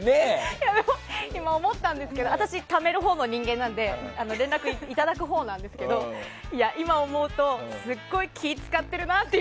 今、思ったんですけど私、ためるほうの人間なので連絡いただくほうなんですけど今、思うとすごく気を使ってるなと。